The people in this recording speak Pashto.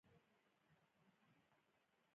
دوی په یوه عقلي وضعیت کې قرار لري.